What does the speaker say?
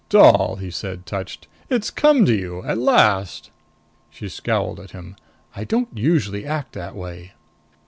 "Doll," he said, touched, "it's come to you! At last." She scowled at him. "I don't usually act that way."